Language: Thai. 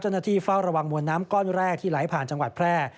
เจ้าหน้าที่เฝ้าระวังมวลน้ำก้อนแรกที่ไหลผ่านจังหวัดแพร่